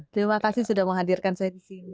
terima kasih sudah menghadirkan saya disini